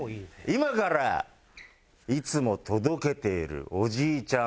今からいつも届けているおじいちゃん